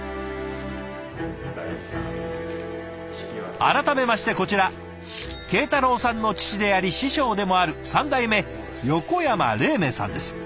改めましてこちら慶太郎さんの父であり師匠でもある３代目横山黎明さんです。